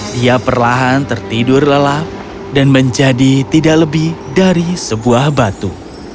dia perlahan tertidur lelap dan menjadi tidak lebih dari sebuah batu